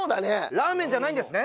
ラーメンじゃないんですね？